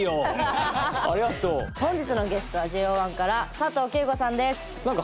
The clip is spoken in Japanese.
本日のゲストはＪＯ１から佐藤景瑚さんです。